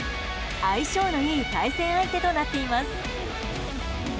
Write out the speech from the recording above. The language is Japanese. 相性のいい対戦相手となっています。